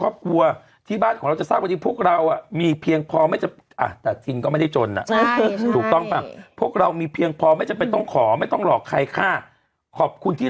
ไม่เพราะว่าจริงพี่ทินเขาเป็นพิธีกรแต่เขาไม่เป็นดารานี่